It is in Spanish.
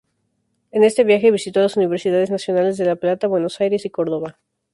En este viaje, visitó las Universidades Nacionales de La Plata, Buenos Aires y Córdoba.